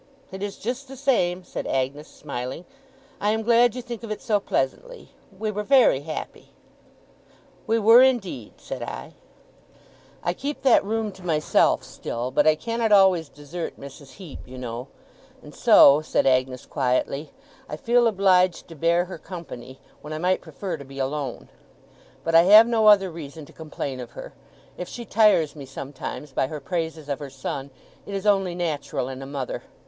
'It is just the same,' said Agnes, smiling. 'I am glad you think of it so pleasantly. We were very happy.' 'We were, indeed,' said I. 'I keep that room to myself still; but I cannot always desert Mrs. Heep, you know. And so,' said Agnes, quietly, 'I feel obliged to bear her company, when I might prefer to be alone. But I have no other reason to complain of her. If she tires me, sometimes, by her praises of her son, it is only natural in a mother.